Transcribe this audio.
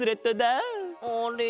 あれ？